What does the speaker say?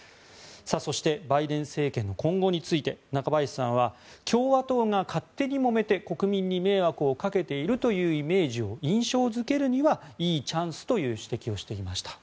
そして、バイデン政権の今後について、中林さんは共和党が勝手にもめて国民に迷惑をかけているというイメージを印象付けるにはいいチャンスという指摘をしていました。